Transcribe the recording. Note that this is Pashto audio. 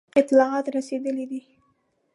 اطلاعات رسېدلي دي.